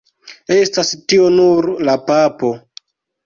Estas tio nur la papo!